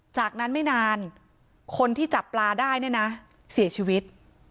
จากนั้นไม่นานคนที่จับปลาได้เนี่ยนะเสียชีวิต